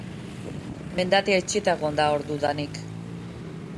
Mendatea itxita egon da ordudanik.